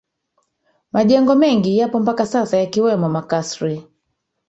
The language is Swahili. Majengo mengi yapo mpaka sasa yakiwemo makasri